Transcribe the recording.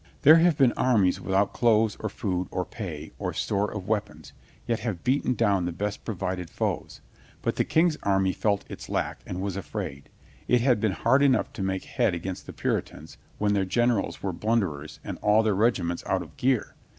There have been armies without clothes or food or pay or store of weapons, yet have beaten down the best provided foes. But the King's army felt its lack and was afraid. It had been hard enough to make head against the Puritans when their gen erals were blunderers and all their regiments out of gear.